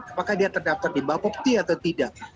apakah dia terdaftar di mbah pukti atau tidak